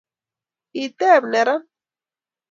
kiteb neran